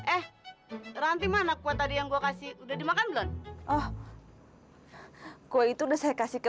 eh ranti mah anak gua tadi yang gua kasih udah dimakan belum oh kue itu udah saya kasih ke